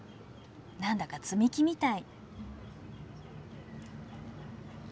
何だか積み木みたい。